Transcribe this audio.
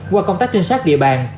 qua công tác trinh sát địa bàn